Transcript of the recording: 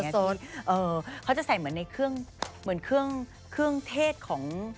สดเออเขาจะใส่เหมือนในเครื่องเทศของ